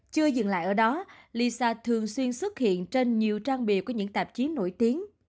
chưa dừng lại ở đó lisa thường xuyên xuất hiện trên nhiều trang bị của những tạp chí nổi tiếng